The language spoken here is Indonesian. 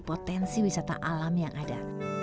potensi wisata alam yang ada